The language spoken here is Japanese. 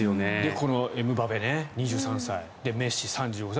このエムバペね２３歳で、メッシ３５歳。